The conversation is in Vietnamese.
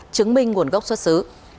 chứng minh nguồn gốc xuất xứ